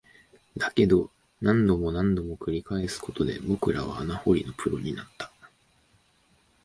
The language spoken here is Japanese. だけど、何度も何度も繰り返すことで、僕らは穴掘りのプロになった